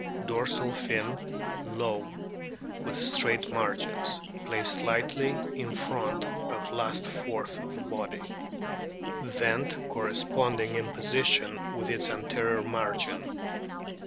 Dorsal fin low with straight margins ; placed slightly in front of last fourth of body. Vent corresponding in position with its anterior margin.